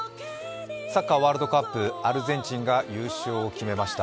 サッカーワールドカップ、アルゼンチンが優勝を決めました。